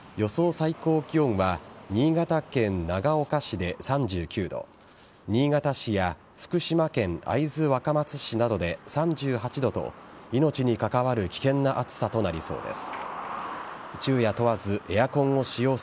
最高気温は新潟県長岡市で３９度新潟市や福島県会津若松市などで３８度と命に関わる危険な暑さとなりそうです。